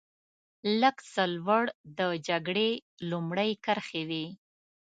لږ څه لوړ د جګړې لومړۍ کرښې وې.